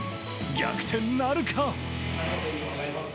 逆転なるか？